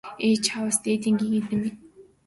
Ээ чааваас дээдийн гэгээнтэн минь!